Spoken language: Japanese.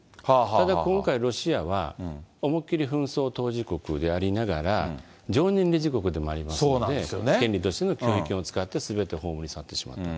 ただ、今回、ロシアは思いっきり紛争当事国でありながら、常任理事国でもありますんで、権利としての拒否権を使って、すべて葬り去ってしまう。